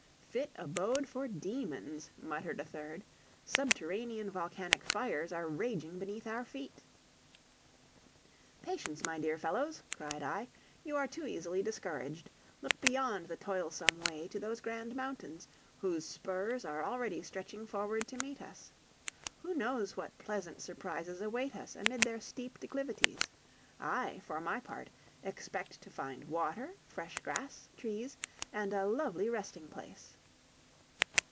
"Fit abode for demons," muttered a third. "Subterranean volcanic fires are raging beneath our feet." "Patience, my dear fellows!" cried I; "you are too easily discouraged. Look beyond the toilsome way to those grand mountains, whose spurs are already stretching forward to meet us. Who knows what pleasant surprises await us amid their steep declivities? I, for my part, expect to find water, fresh grass, trees, and a lovely resting place."